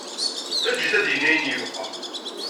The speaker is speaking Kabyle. Ejj-it ad d-yini ayen yebɣa.